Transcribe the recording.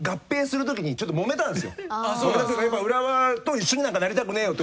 やっぱ浦和と一緒になんかなりたくねえよって